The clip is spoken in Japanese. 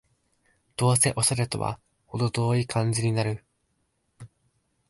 どうせオシャレとはほど遠い感じになる